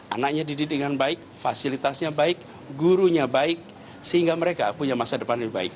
anaknya dididik dengan baik fasilitasnya baik gurunya baik sehingga mereka punya masa depan yang baik